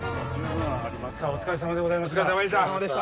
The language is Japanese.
お疲れさまでございました。